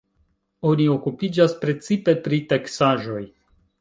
Oni okupiĝas precipe pri teksaĵoj.